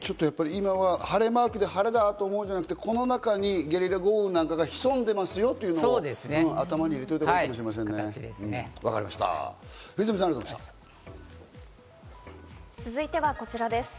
今は晴れマークで晴れだと思うのではなく、この中にゲリラ豪雨なんかが潜んでますよと、頭に入れておいたほうがいいかもしれませんね。